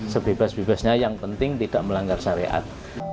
sebebas bebasnya yang penting tidak melanggar syariat